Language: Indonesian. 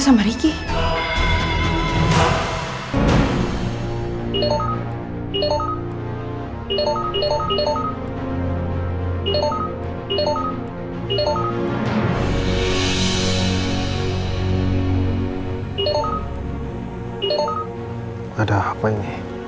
postingan sudah dihapus